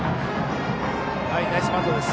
ナイスバントです。